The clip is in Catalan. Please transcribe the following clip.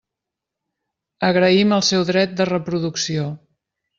Agraïm el seu dret de reproducció.